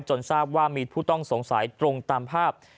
ทราบว่ามีผู้ต้องสงสัยตรงตามภาพ